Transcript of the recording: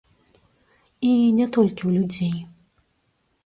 І не толькі ў людзей.